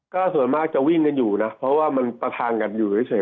ก็ส่วนมากจะวิ่งกันอยู่นะเพราะว่ามันประทังกันอยู่เฉย